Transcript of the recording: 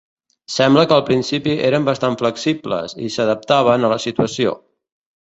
Sembla que al principi eren bastant flexibles i s'adaptaven a la situació.